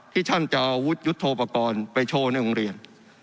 ที่ท่านจะเอาอาวุธยุทธโปรกรณ์ไปโชว์ในโรงเรียน